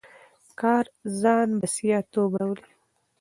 کار ځان بسیا توب راولي.